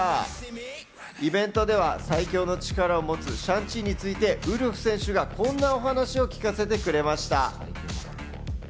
イベントでは最強の力を持つシャン・チーについてウルフ選手はこんなお話を聞かせてくれました。